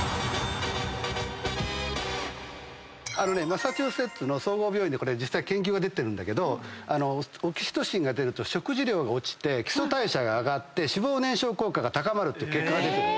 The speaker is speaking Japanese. マサチューセッツの総合病院で実際研究が出てるんだけどオキシトシンが出ると食事量が落ちて基礎代謝が上がって脂肪燃焼効果が高まるって結果が出てる。